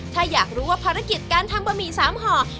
ถ้าอยากรู้ว่าภารกิจการทำบะหมี่สามห่อ